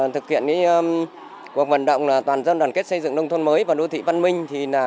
thực hiện cuộc vận động toàn dân đoàn kết xây dựng nông thôn mới và đô thị văn minh